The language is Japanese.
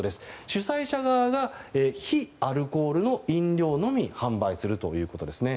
主催者側が非アルコールの飲料のみ販売するということです。